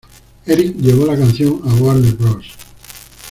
Erik llevó la canción a Warner Bros.